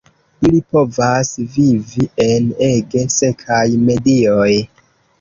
Ili povas vivi en ege sekaj medioj.